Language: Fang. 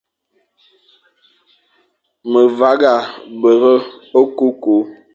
Ve vagha bere okukur,